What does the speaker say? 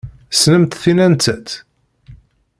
Tessnemt tin anta-tt?